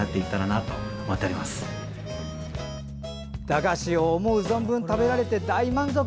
駄菓子を思う存分食べられて、大満足！